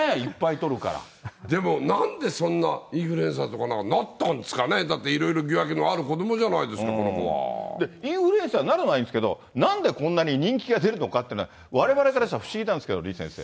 でもなんでそんな、インフルエンサーとかになったんですかね、だっていろいろ疑惑のある子どもインフルエンサーになるのはいいんですけど、なんでこんなに人気が出るのかというのは、われわれからしたら不思議なんですけど、李先生。